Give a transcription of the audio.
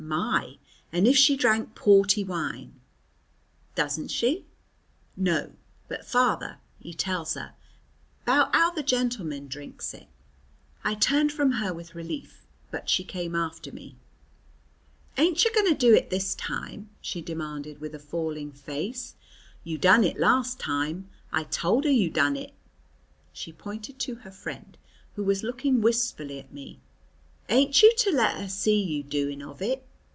"My! And if she drank porty wine." "Doesn't she?" "No. But father, he tells her 'bout how the gentlemen drinks it." I turned from her with relief, but she came after me. "Ain't yer going to do it this time?" she demanded with a falling face. "You done it last time. I tell her you done it" she pointed to her friend who was looking wistfully at me "ain't you to let her see you doing of it?"